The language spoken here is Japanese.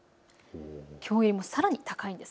きょうより、さらに高いんです。